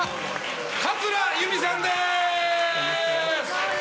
桂由美さんです！